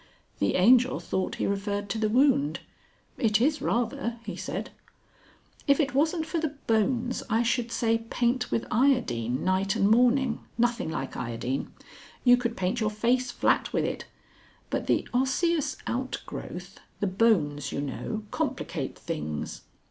The Angel thought he referred to the wound. "It is rather," he said. "If it wasn't for the bones I should say paint with iodine night and morning. Nothing like iodine. You could paint your face flat with it. But the osseous outgrowth, the bones, you know, complicate things.